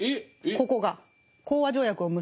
ここが講和条約を結ぶ。